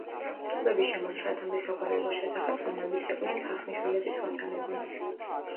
ცნობები შემორჩა ათამდე საგვარეულოს შესახებ რომლებიც იყვნენ თარხნიშვილების ვასალები.